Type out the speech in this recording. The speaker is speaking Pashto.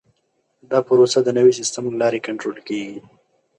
دا پروسه د نوي سیسټم له لارې کنټرول کیږي.